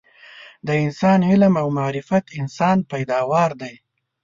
د انسان علم او معرفت انسان پیداوار دي